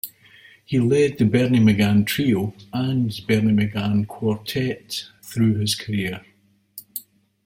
He led the Bernie McGann Trio and Bernie McGann Quartet through his career.